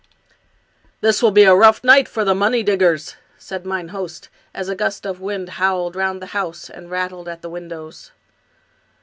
" This will be a rough night for the money diggers," said mine host, as a gust of wind howled round the house and rattled at the windows.